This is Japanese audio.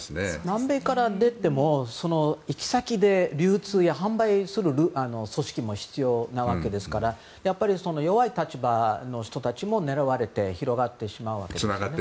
南米から出てもその行き先で流通や販売する組織も必要なわけなので弱い立場の人たちも狙われて広がってしまうわけですよね。